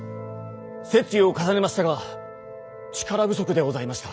説諭を重ねましたが力不足でございました。